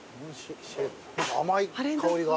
甘い香りが。